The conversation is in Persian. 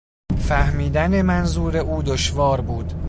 فهمیدن منظور او دشوار بود.